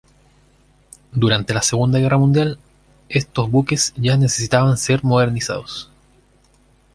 Durante la Segunda Guerra Mundial, estos buques ya necesitaban ser modernizados.